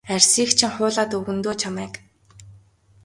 Арьсыг чинь хуулаад өгнө дөө чамайг.